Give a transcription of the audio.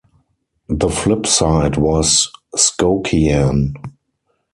The flip side was Skokiaan.